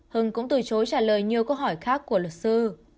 hưng cũng từ chối trả lời nhiều câu hỏi khác của luật sư